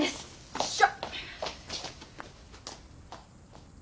よっしゃ！